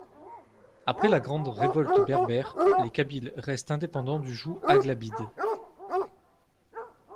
Après la Grande révolte berbère, les Kabyles restent indépendants du joug aghlabides.